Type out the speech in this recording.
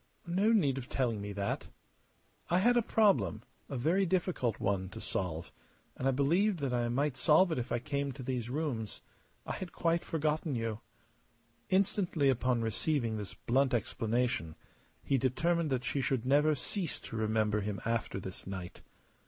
"No need of telling me that." "I had a problem a very difficult one to solve; and I believed that I might solve it if I came to these rooms. I had quite forgotten you." Instantly, upon receiving this blunt explanation, he determined that she should never cease to remember him after this night.